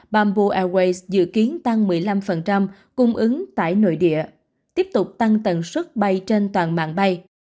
bamboo airways dự kiến tăng một mươi năm cung ứng tại nội địa tiếp tục tăng tần suất bay trên toàn mạng bay